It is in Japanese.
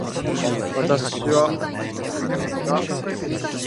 私は男だ。